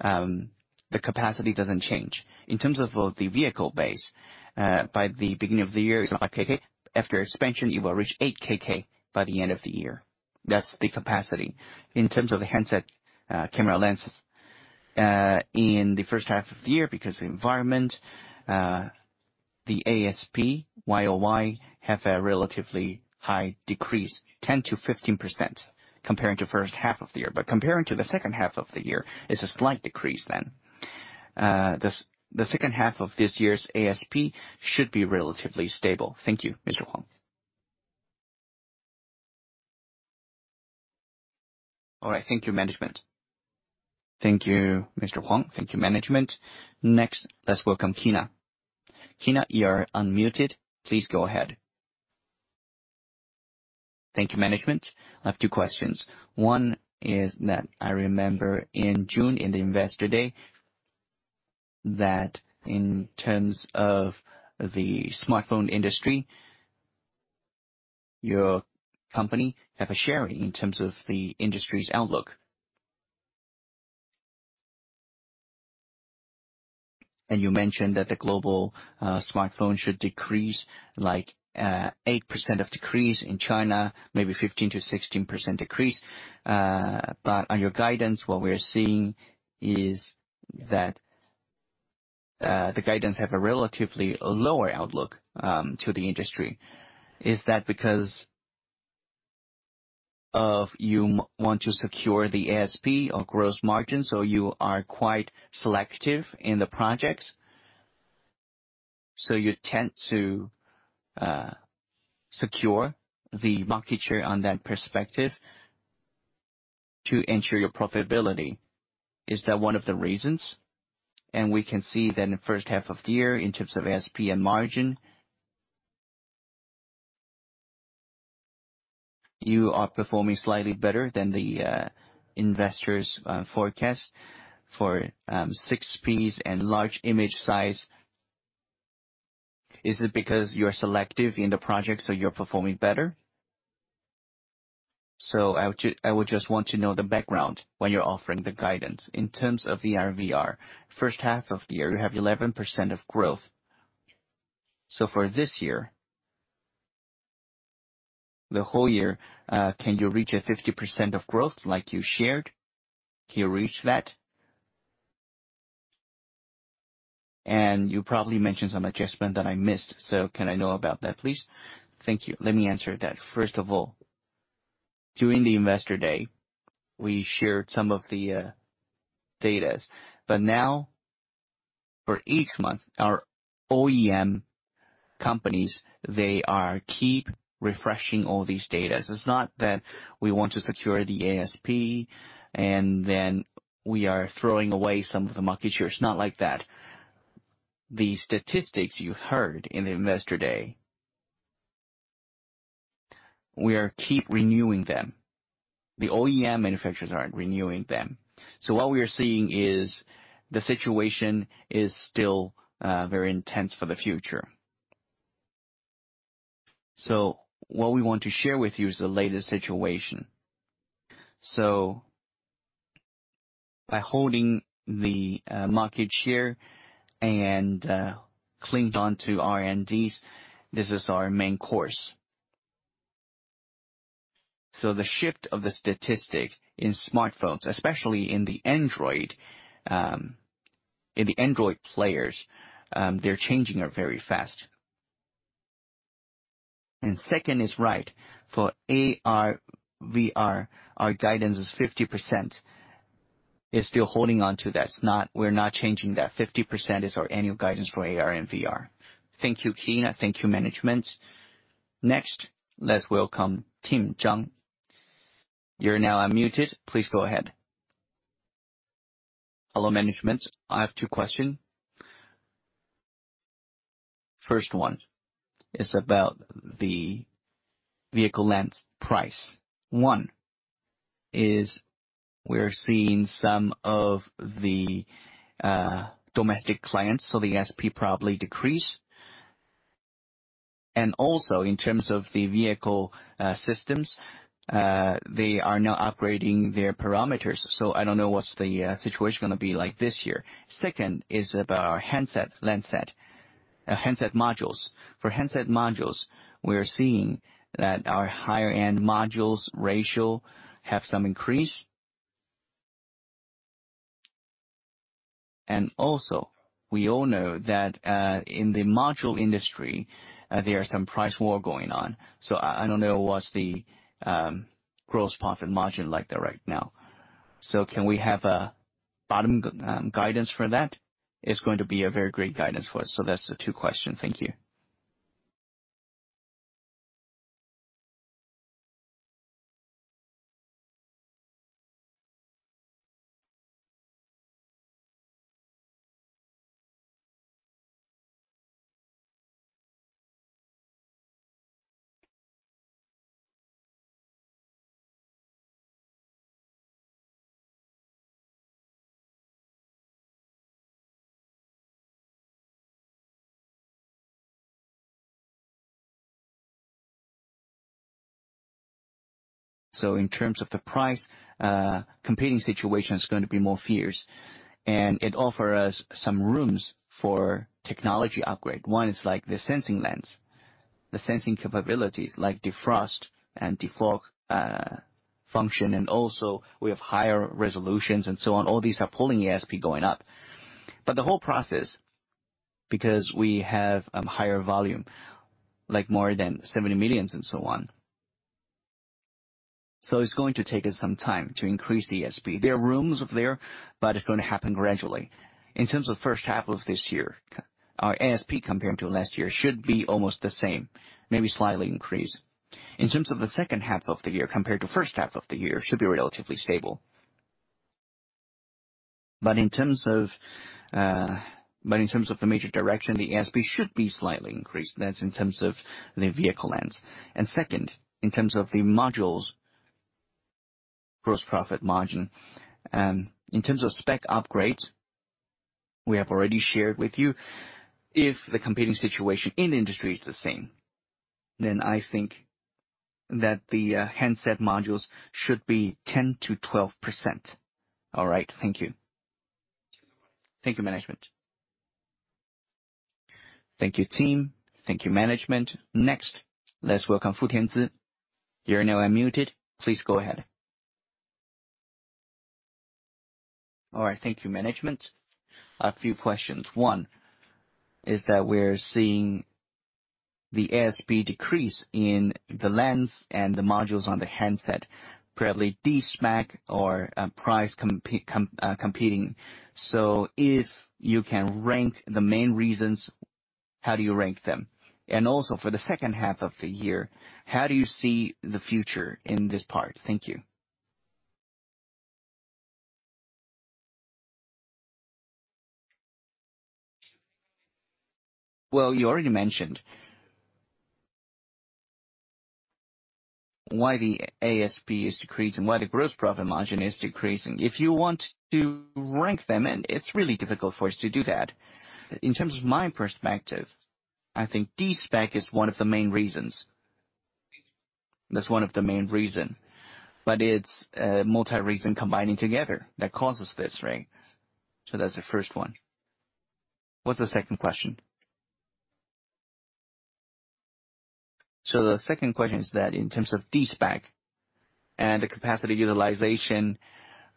the capacity doesn't change. In terms of the vehicle base, by the beginning of the year, it's 5 KK. After expansion, it will reach 8 KK by the end of the year. That's the capacity. In terms of the handset camera lenses, in the first half of the year, because the environment, the ASP YOY have a relatively high decrease, 10%-15% comparing to first half of the year. Comparing to the second half of the year, it's a slight decrease then. The second half of this year's ASP should be relatively stable. Thank you, Mr. Huang. All right. Thank you, management. Thank you, Mr. Huang. Thank you, management. Next, let's welcome Kina. Kina, you are unmuted. Please go ahead. Thank you, management. I have two questions. One is that I remember in June, in the Investor Day, that in terms of the smartphone industry, your company have a share in terms of the industry's outlook. You mentioned that the global smartphone should decrease, like, 8% decrease. In China, maybe 15%-16% decrease. On your guidance, what we're seeing is that the guidance have a relatively lower outlook to the industry. Is that because you want to secure the ASP or gross margin, so you are quite selective in the projects, so you tend to secure the market share on that perspective to ensure your profitability? Is that one of the reasons? We can see that in the first half of the year, in terms of ASP and margin, you are performing slightly better than the investors forecast for 6P and large image size. Is it because you're selective in the project, so you're performing better? I would just want to know the background when you're offering the guidance. In terms of ARVR, first half of the year, you have 11% of growth. For this year, the whole year, can you reach a 50% of growth like you shared? Can you reach that? You probably mentioned some adjustment that I missed, so can I know about that, please? Thank you. Let me answer that. First of all, during the Investor Day, we shared some of the data. Now for each month, our OEM companies, they are keep refreshing all these data. It's not that we want to secure the ASP and then we are throwing away some of the market shares. It's not like that. The statistics you heard in the Investor Day, we are keep renewing them. The OEM manufacturers are renewing them. What we are seeing is the situation is still very intense for the future. What we want to share with you is the latest situation. By holding the market share and cling on to R&D, this is our main course. The shift of the statistic in smartphones, especially in the Android, in the Android players, they're changing very fast. And second is right. For AR/VR, our guidance is 50%. It's still holding on to that. It's not. We're not changing that. 50% is our annual guidance for AR and VR. Thank you, Keena. Thank you, management. Next, let's welcome Tim Chang. You're now unmuted. Please go ahead. Hello, management. I have two questions. First one is about the vehicle lens price. One is, we're seeing some of the domestic clients, so the SP probably decrease. Also, in terms of the vehicle systems, they are now upgrading their parameters, so I don't know what's the situation gonna be like this year. Second is about our handset lens set, handset modules. For handset modules, we are seeing that our higher-end modules ratio have some increase. Also, we all know that in the module industry, there are some price war going on. I don't know what's the gross profit margin like right now. Can we have a bottom guidance for that? It's going to be a very great guidance for us. That's the two question. Thank you. In terms of the price, competition situation is gonna be more fierce, and it offer us some rooms for technology upgrade. One is like the sensing lens. The sensing capabilities like defrost and defog function, and also we have higher resolutions and so on. All these are pulling ASP going up. But the whole process, because we have a higher volume, like more than 70 million and so on. It's going to take us some time to increase the ASP. There are rooms there, but it's gonna happen gradually. In terms of first half of this year, our ASP compared to last year should be almost the same, maybe slightly increased. In terms of the second half of the year, compared to first half of the year, should be relatively stable. In terms of the major direction, the ASP should be slightly increased. That's in terms of the vehicle lens. Second, in terms of the modules gross profit margin, in terms of spec upgrades, we have already shared with you, if the competition situation in industry is the same, then I think that the handset modules should be 10%-12%. All right. Thank you. Thank you, management. Thank you, Tim. Thank you, management. Next, let's welcome Fu Tianzi. You're now unmuted. Please go ahead. All right. Thank you, management. A few questions. One, is that we're seeing the ASP decrease in the lens and the modules on the handset, probably de-spec or price competition. If you can rank the main reasons, how do you rank them? And also, for the second half of the year, how do you see the future in this part? Thank you. Well, you already mentioned. Why the ASP is decreasing, why the gross profit margin is decreasing. If you want to rank them, and it's really difficult for us to do that. In terms of my perspective, I think de-spec is one of the main reasons. That's one of the main reason. But it's, multiple reasons combining together that causes this, right? That's the first one. What's the second question? The second question is that in terms of de-spec and the capacity utilization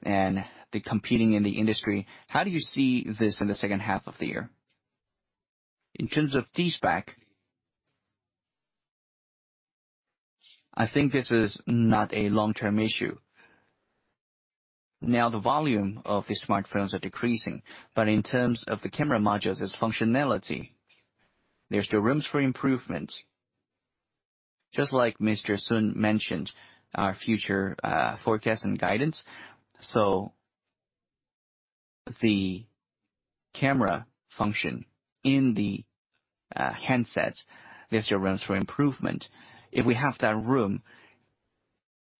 and the competition in the industry, how do you see this in the second half of the year? In terms of de-spec. I think this is not a long-term issue. Now the volume of the smartphones is decreasing, but in terms of the camera modules, its functionality, there's still room for improvement. Just like Mr. Sun mentioned, our future forecast and guidance. The camera function in the handsets, there's still room for improvement. If we have that room,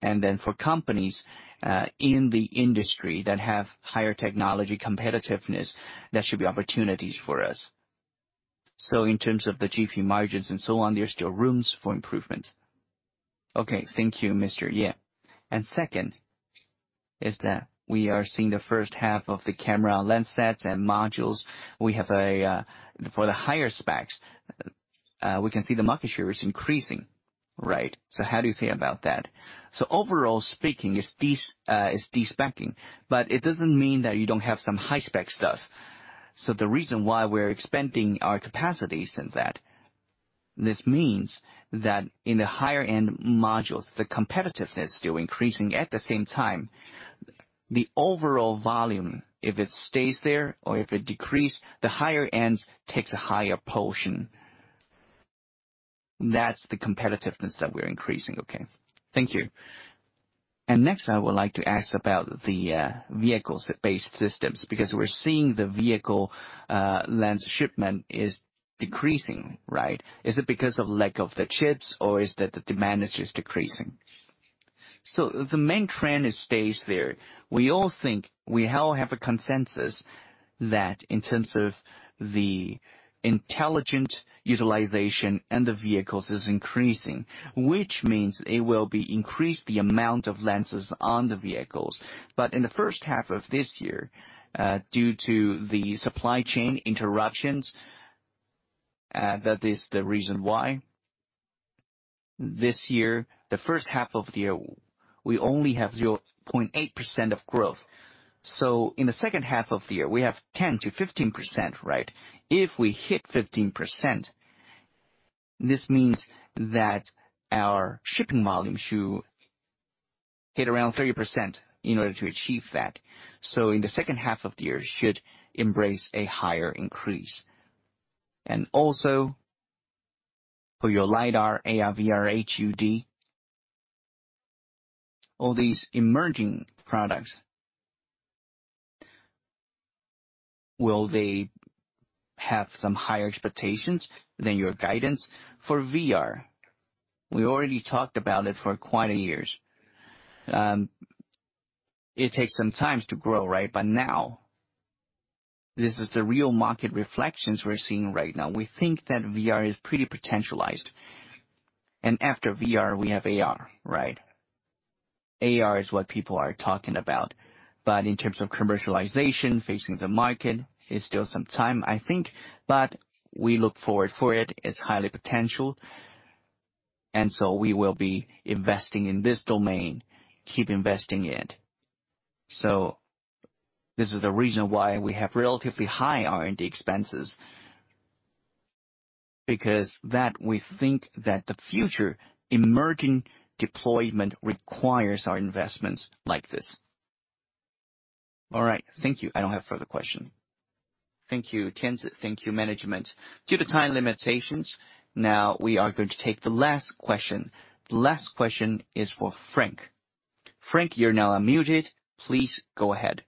then for companies in the industry that have higher technology competitiveness, there should be opportunities for us. In terms of the GP margins and so on, there's still room for improvement. Okay. Thank you, Mr. Ye. Second is that we are seeing the first half of the camera lens sets and modules. We have a. For the higher specs, we can see the market share is increasing, right? How do you say about that? Overall speaking, it's de-speccing, but it doesn't mean that you don't have some high-spec stuff. The reason why we're expanding our capacities in that, this means that in the higher end modules, the competitiveness still increasing. At the same time, the overall volume, if it stays there or if it decrease, the higher ends takes a higher portion. That's the competitiveness that we're increasing. Okay. Thank you. Next, I would like to ask about the vehicle-based systems, because we're seeing the vehicle lens shipment is decreasing, right? Is it because of lack of the chips or is that the demand is just decreasing? The main trend, it stays there. We all think, we all have a consensus that in terms of the intelligent utilization of the vehicles is increasing, which means it will be increase the amount of lenses on the vehicles. In the first half of this year, due to the supply chain interruptions, that is the reason why this year, the first half of the year, we only have 0.8% of growth. In the second half of the year, we have 10%-15%, right? If we hit 15%, this means that our shipping volume should hit around 30% in order to achieve that. In the second half of the year, it should embrace a higher increase. For your LiDAR, AR, VR, HUD, all these emerging products, will they have some higher expectations than your guidance? For VR, we already talked about it for quite a few years. It takes some time to grow, right? Now this is the real market inflection we're seeing right now. We think that VR has potential. After VR, we have AR, right? AR is what people are talking about. In terms of commercialization, facing the market, it's still some time, I think, but we look forward for it. It's highly potential. We will be investing in this domain, keep investing in it. This is the reason why we have relatively high R&D expenses, because that we think that the future emerging deployment requires our investments like this. All right. Thank you. I don't have further question. Thank you, Tianzi. Thank you, management. Due to time limitations, now we are going to take the last question. Last question is for Frank. Frank, you're now unmuted. Please go ahead.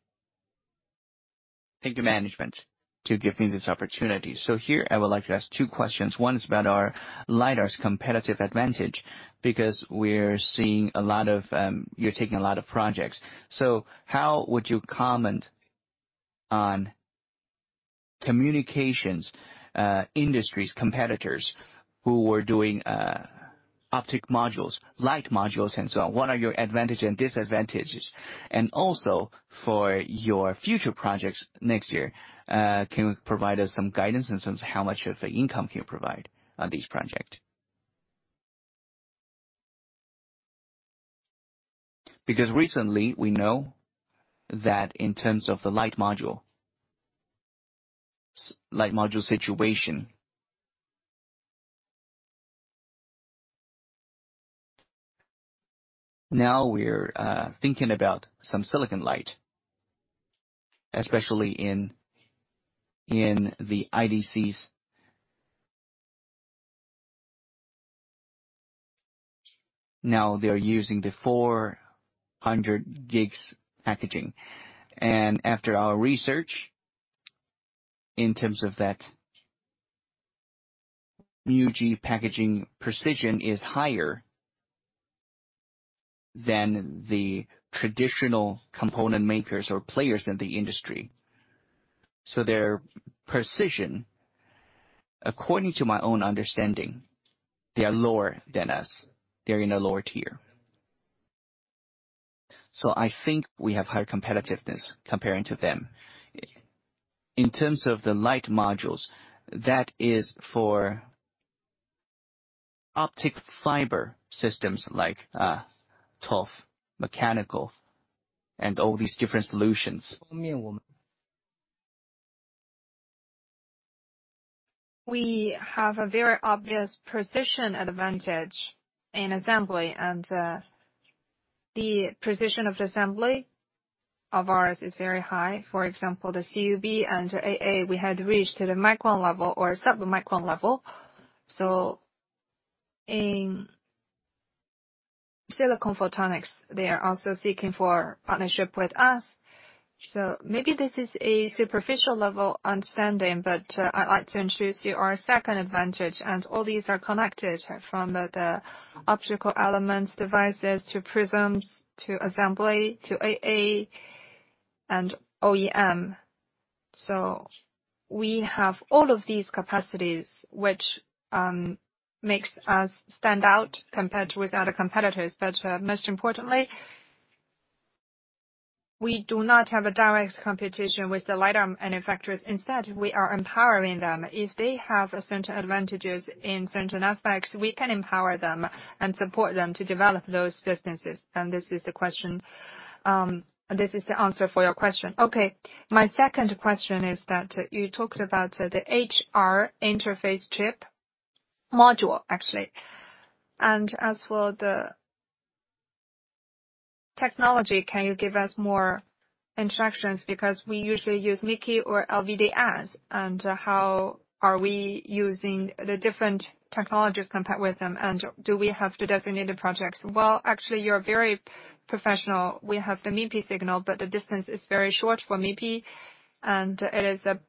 Thank you, management, to give me this opportunity. Here I would like to ask two questions. One is about our LiDAR's competitive advantage, because we're seeing a lot of, You're taking a lot of projects. How would you comment on communications industries, competitors who are doing optical modules, optical modules and so on? What are your advantage and disadvantages? Also for your future projects next year, can you provide us some guidance in terms of how much of the income can you provide on this project? Because recently we know that in terms of the optical module situation, now we're thinking about some silicon photonics, especially in the IDCs. Now they are using the 400G packaging. After our research in terms of that new G packaging precision is higher than the traditional component makers or players in the industry. Their precision, according to my own understanding, they are lower than us. They're in a lower tier. I think we have higher competitiveness comparing to them. In terms of the light modules, that is for optic fiber systems like TOF, mechanical, and all these different solutions. We have a very obvious precision advantage in assembly, and the precision of the assembly of ours is very high. For example, the COB and AA, we had reached to the micron level or submicron level. In silicon photonics, they are also seeking for partnership with us. Maybe this is a superficial level understanding, but I'd like to introduce you our second advantage. All these are connected from the optical elements devices to prisms to assembly to AA and OEM. We have all of these capacities which makes us stand out compared to with other competitors. Most importantly, we do not have a direct competition with the LiDAR manufacturers. Instead, we are empowering them. If they have certain advantages in certain aspects, we can empower them and support them to develop those businesses. This is the question. This is the answer for your question. Okay. My second question is that you talked about the high-resolution interface chip module, actually. As for the technology, can you give us more instructions? Because we usually use MIPI or LVDS, and how are we using the different technologies compared with them and do we have the designated projects? Well, actually, you're very professional. We have the MIPI signal, but the distance is very short for MIPI, and it is a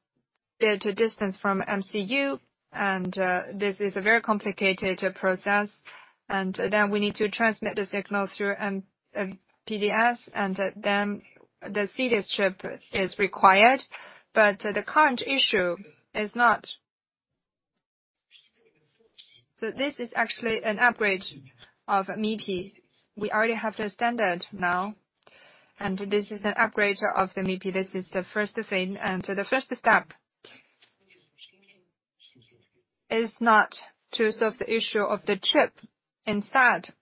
bit distant from MCU, and this is a very complicated process. Then we need to transmit the signal, and the SerDes chip is required. This is actually an upgrade of MIPI. We already have the standard now, and this is an upgrade of the MIPI. This is the first thing. The first step is not to solve the issue of the chip. Instead,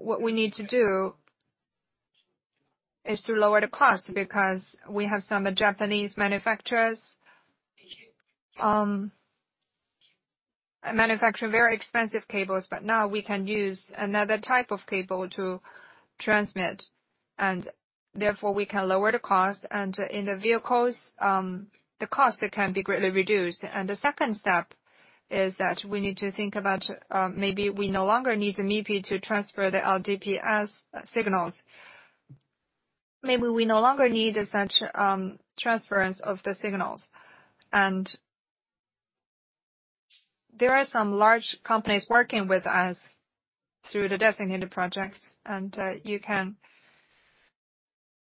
what we need to do is to lower the cost, because we have some Japanese manufacturers manufacture very expensive cables, but now we can use another type of cable to transmit, and therefore we can lower the cost. In the vehicles, the cost can be greatly reduced. The second step is that we need to think about, maybe we no longer need the MIPI to transfer the RDPS signals. Maybe we no longer need such transference of the signals. There are some large companies working with us through the designated projects, and you can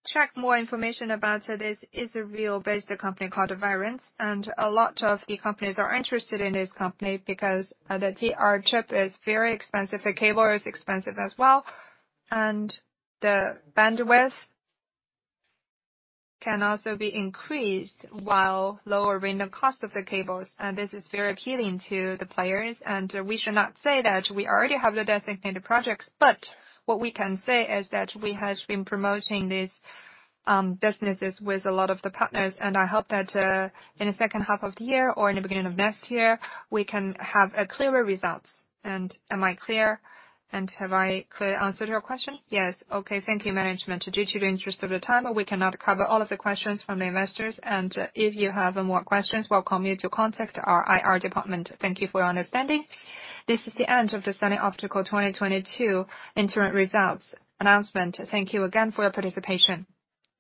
check more information about it. It's a really basic company called Valens, and a lot of OEM companies are interested in this company because the their chip is very expensive, the cable is expensive as well, and the bandwidth can also be increased while lowering the cost of the cables. This is very appealing to the players. We should not say that we already have the designated projects, but what we can say is that we have been promoting these businesses with a lot of the partners, and I hope that in the second half of the year or in the beginning of next year, we can have clearer results. Am I clear, and have I clearly answered your question? Yes. Okay. Thank you, management. In the interest of time, we cannot cover all of the questions from the investors. If you have more questions, we welcome you to contact our IR department. Thank you for your understanding. This is the end of the Sunny Optical 2022 interim results announcement. Thank you again for your participation.